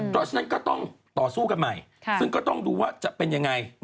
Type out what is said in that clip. เพราะฉะนั้นก็ต้องต่อสู้กันใหม่ซึ่งก็ต้องดูว่าจะเป็นยังไง